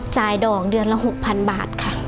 จ่ายดอกเดือนละ๖๐๐๐บาทค่ะ